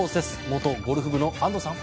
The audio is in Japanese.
元ゴルフ部の安藤さん。